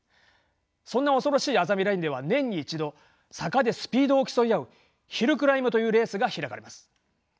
そんな恐ろしいあざみラインでは年に１度坂でスピードを競い合うヒルクライムというレースが開かれます。